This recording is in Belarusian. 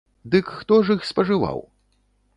Дык хто ж іх спажываў?